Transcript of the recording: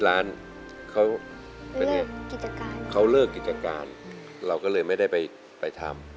รายการต่อไปนี้เป็นรายการทั่วไปสามารถรับชมได้ทุกวัย